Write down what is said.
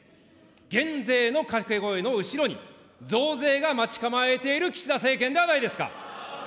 減税の掛け声の後ろに増税が待ち構えている岸田政権ではないですか。